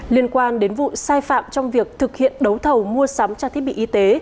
liên quan đến vụ sai phạm trong việc thực hiện đấu thầu mua sắm trang thiết bị y tế